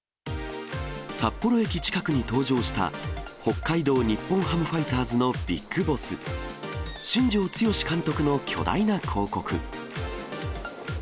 札幌駅近くに登場した、北海道日本ハムファイターズのビッグボス、新庄剛志監督の巨大な広告。